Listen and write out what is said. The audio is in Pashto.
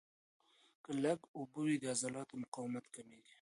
که لږ اوبه وي، د عضلاتو مقاومت کمېږي.